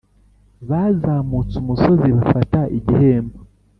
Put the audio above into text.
bazamutse umusozi bafata igihembo.